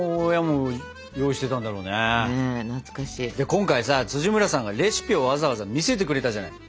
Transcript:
今回さ村さんがレシピをわざわざ見せてくれたじゃない。